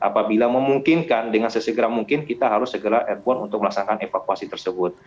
apabila memungkinkan dengan sesegera mungkin kita harus segera airborne untuk melaksanakan evakuasi tersebut